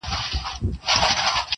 زلزله به یې په کور کي د دښمن سي!!